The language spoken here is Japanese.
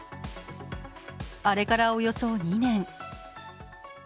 あれからおよそ２年。